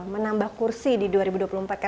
menambah kursi di dua ribu dua puluh empat